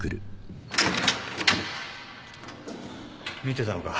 見てたのか。